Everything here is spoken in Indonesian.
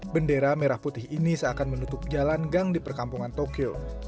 bendera merah putih ini seakan menutup jalan gang di perkampungan tokyo